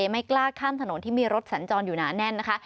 ไม่กล้าข้ามถนนที่มีรถสัญจรอยู่หนาแน่นนะคะ